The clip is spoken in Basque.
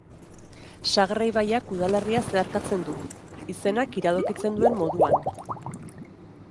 Segre ibaiak udalerria zeharkatzen du, izenak iradokitzen duen moduan.